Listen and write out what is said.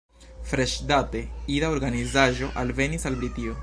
Freŝdate, ida organizaĵo alvenis al Britio.